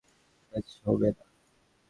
এটা ছোঁবে না।